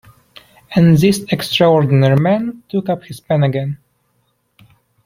And this extraordinary man took up his pen again.